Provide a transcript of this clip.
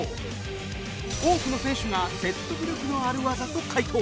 多くの選手が説得力のある技と回答